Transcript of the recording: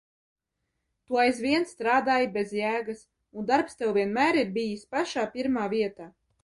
Tu aizvien strādāji bez jēgas un darbs Tev vienmēr ir bijis pašā pirmā vietā.